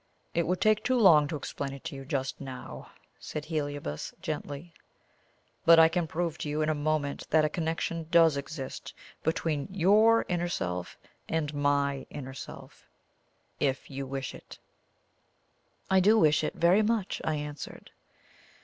"It would take too long to explain to you just now," said Heliobas gently; "but I can prove to you in a moment that a connection DOES exist between YOUR inner self, and MY inner self, if you wish it." "I do wish it very much," I answered.